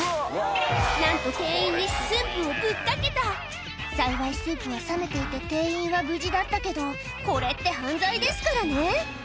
なんと店員にスープをぶっかけた幸いスープは冷めていて店員は無事だったけどこれって犯罪ですからね